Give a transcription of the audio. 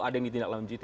ada yang ditindaklanjuti